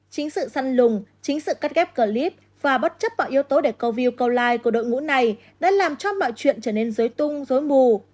chính sự săn lùng chính sự cắt ghép clip và bất chấp mọi yếu tố để câu view câu like của đội ngũ này đã làm cho mọi chuyện trở nên dối tung dối mù